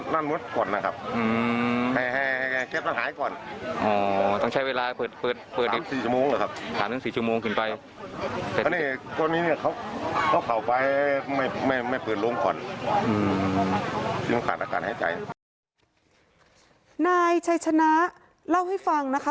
นายชัยชนะเล่าให้ฟังนะคะ